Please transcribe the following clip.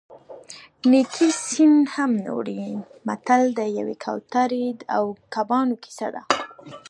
نیکي سین هم نه وړي متل د یوې کوترې او کبانو کیسه ده